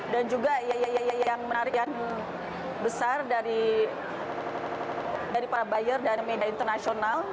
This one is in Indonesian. dan juga yang menarikan besar dari para buyer dari media internasional